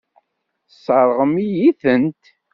Tesseṛɣem-iyi-tent.